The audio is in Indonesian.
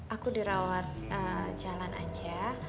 aku dirawat jalan aja